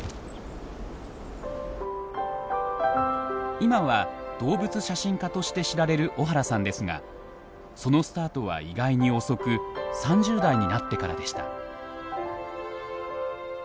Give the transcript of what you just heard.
今は動物写真家として知られる小原さんですがそのスタートは意外に遅く３０代になってからでした。